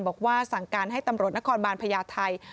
บอกว่าสั่งการให้ตำรวจนครบาลพญาไทย